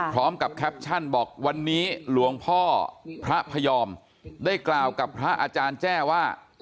แคปชั่นบอกวันนี้หลวงพ่อพระพยอมได้กล่าวกับพระอาจารย์แจ้ว่า